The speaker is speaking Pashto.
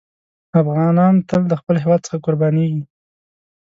افغانان تل د خپل هېواد څخه قربانېږي.